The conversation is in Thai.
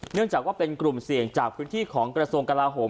เนื่องจากว่าเป็นกลุ่มเสี่ยงจากพื้นที่ของกระทรวงกลาโหม